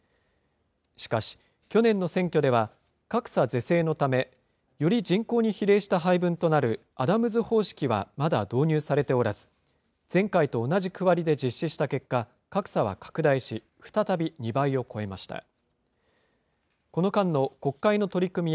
しかし、去年の選挙では格差是正のため、より人口に比例した配分となるアダムズ方式はまだ導入されておらず、前回と同じ区割りで実施した結果、格差は拡大し、再び２倍を超えました。